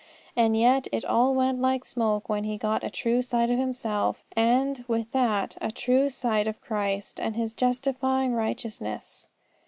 And yet it all went like smoke when he got a true sight of himself, and, with that, a true sight of Christ and His justifying righteousness.